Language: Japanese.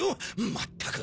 まったく！